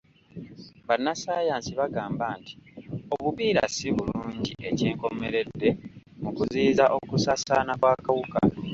Bannassaayansi bagamba nti obupiira si bulungi ekyenkomeredde mu kuziyiza okusaasaana kw'akawuka.